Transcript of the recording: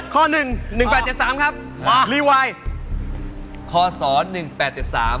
ข้อ๑๑๘๗๓ครับ